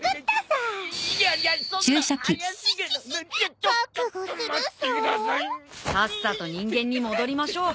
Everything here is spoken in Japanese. さっさと人間に戻りましょう。